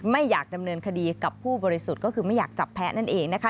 ไม่อยากดำเนินคดีกับผู้บริสุทธิ์ก็คือไม่อยากจับแพ้นั่นเองนะคะ